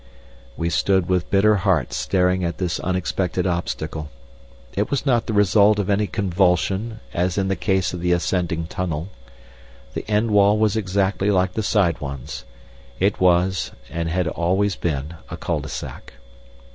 We stood with bitter hearts staring at this unexpected obstacle. It was not the result of any convulsion, as in the case of the ascending tunnel. The end wall was exactly like the side ones. It was, and had always been, a cul de sac.